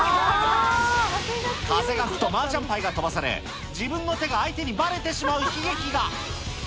風が吹くとマージャンパイが飛ばされ、自分の手が相手にばれてしまう悲劇が。